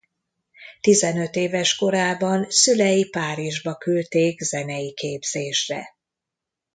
Tizenöt éves korában szülei Párizsba küldték zenei képzésre.